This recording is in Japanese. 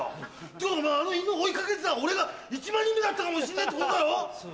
でもお前あの犬追い掛けてたら俺が１万人目だったかもしれねえってことだろ？